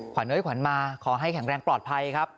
เฮ้ยขวัญมาขอให้แข็งแรงปลอดภัยครับ